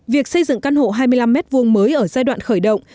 việc xây dựng căn hộ hai mươi năm m hai mới ở giai đoạn khởi động